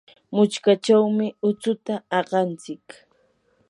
muchkachawmi utsuta aqanchik.